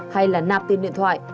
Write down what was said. hay là nạp tin điện thoại